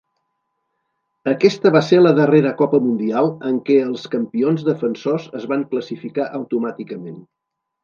Aquesta va ser la darrera Copa Mundial en què els campions defensors es van classificar automàticament.